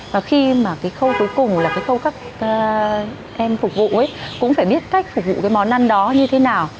và khi mà cái khâu cuối cùng là cái khâu các em phục vụ ấy cũng phải biết cách phục vụ cái món ăn đó như thế nào